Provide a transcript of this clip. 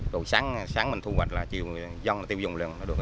đầu sáng mình thu hoạch là chiều dông tiêu dùng